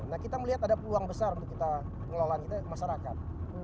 nah kita melihat ada peluang besar untuk kita mengelola masyarakat